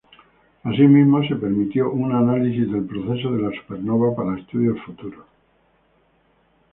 Asimismo, se permitió un análisis del proceso de la supernova para estudios futuros.